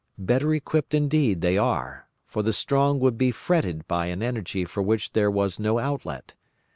Better equipped indeed they are, for the strong would be fretted by an energy for which there was no outlet.